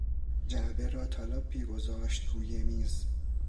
جعبه را تالاپی گذاشت روی میز.